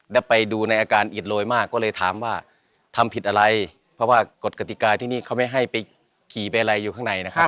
แล้วไปดูในอาการอิดโรยมากก็เลยถามว่าทำผิดอะไรเพราะว่ากฎกติกาที่นี่เขาไม่ให้ไปขี่ไปอะไรอยู่ข้างในนะครับ